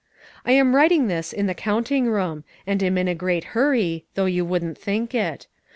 "I am writing this in the counting room, and am in a great hurry, though you wouldn't think it.